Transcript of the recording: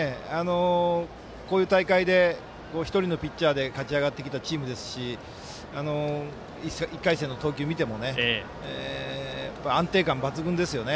こういう大会で１人のピッチャーで勝ち上がってきたピッチャーですし１回戦の投球を見ても安定感抜群ですよね。